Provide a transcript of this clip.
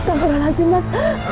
mas jangan berlatih mas